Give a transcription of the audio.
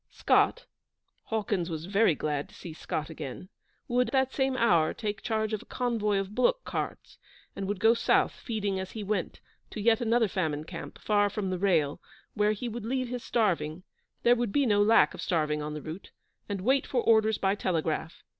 Scott Hawkins was very glad to see Scott again would, that same hour, take charge of a convoy of bullock carts, and would go south, feeding as he went, to yet another famine camp, far from the rail, where he would leave his starving there would be no lack of starving on the route and wait for orders by telegraph.